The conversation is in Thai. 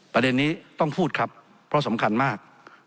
ประเด็นนี้ต้องพูดครับเพราะสำคัญมาก